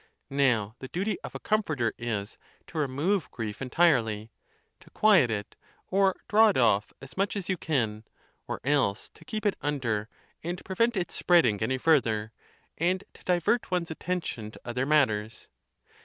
Now the duty of a comforter is, to remove grief entirely, to quiet it, or draw it off as much as you can, or else to keep it under, and prevent its spreading any further, and to divert one's at tention to other matters.